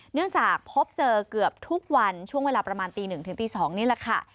เนื่องจากพบเจอเกือบทุกวันช่วงเวลาประมาณตี๑ถึงตี๒นี่แหละค่ะ